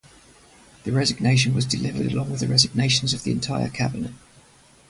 The resignation was delivered along with the resignations of the entire cabinet.